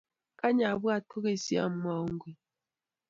kany abwat kukeny siamuaun koi